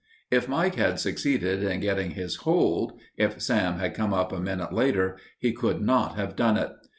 If Mike had succeeded in getting his hold, if Sam had come up a minute later, he could not have done it.